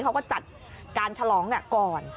เขาก็จัดการฉลองก่อน